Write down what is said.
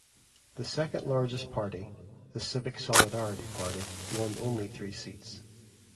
The second largest party (the Civic Solidarity Party) won only three seats.